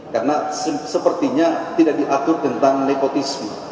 karena sepertinya tidak diatur tentang nepotisme